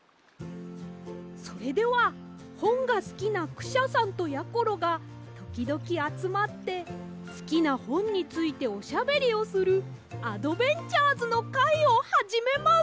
それではほんがすきなクシャさんとやころがときどきあつまってすきなほんについておしゃべりをするあどべんちゃーずのかいをはじめます！